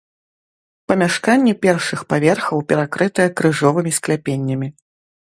Памяшканні першых паверхаў перакрытыя крыжовымі скляпеннямі.